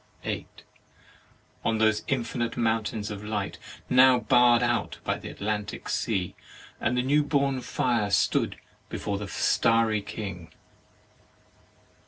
8. On those infinite mountains of light now barr'd out by the Atlantic 43 THE MARRIAGE OF sea, the new born fire stood before the starry king.